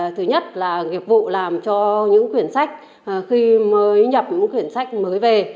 thứ nhất là nghiệp vụ làm cho những quyển sách khi mới nhập những quyển sách mới về